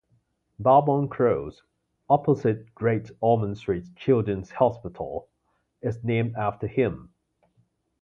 Barbon Close, opposite Great Ormond Street Children's Hospital, is named after him.